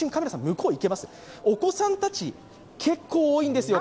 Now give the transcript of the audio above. お子さんたち、結構多いんですよ